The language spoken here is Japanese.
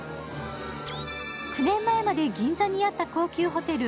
９年前まで銀座にあった高級ホテル